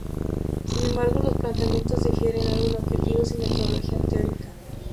Sin embargo, los planteamientos difieren algo en objetivos y metodología teórica.